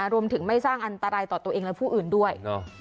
ไม่สร้างอันตรายต่อตัวเองและผู้อื่นด้วย